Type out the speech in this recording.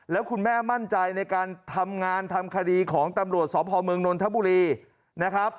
แล้วคุณแม่มั่นใจในการทำงานทำคดีของตำรวชสพเมนทระบุรี